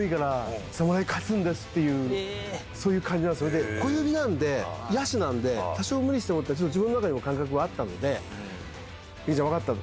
それで小指なので野手なんで多少無理してもって自分の中でも感覚はあったので源ちゃん分かった！